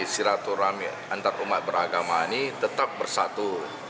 siratur antar umat beragama ini tetap bersatu